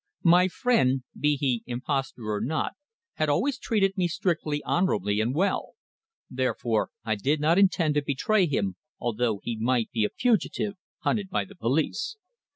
My friend, be he impostor or not, had always treated me strictly honourably and well. Therefore, I did not intend to betray him, although he might be a fugitive hunted by the police.